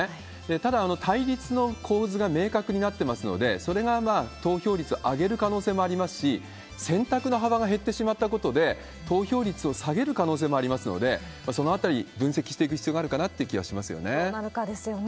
ただ、対立の構図が明確になってますので、それが投票率上げる可能性もありますし、選択の幅が減ってしまったことで投票率を下げる可能性もありますので、そのあたり、分析していく必要があるのかなって気がしますよね。